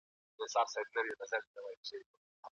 اکبرخان د جګړې په ډګر کې د ستراتیژیک فکر نمونه وښوده.